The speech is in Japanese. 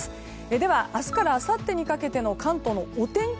では明日からあさってにかけての関東のお天気